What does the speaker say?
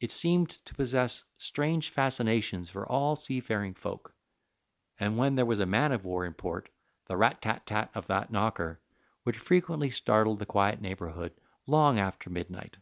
It seemed to possess strange fascinations for all seafaring folk; and when there was a man of war in port the rat tat tat of that knocker would frequently startle the quiet neighborhood long after midnight.